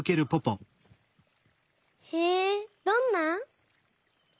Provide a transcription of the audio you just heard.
へえどんな？